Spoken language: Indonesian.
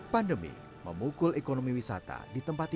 pandemi memukul ekonomi wisata di tempat ini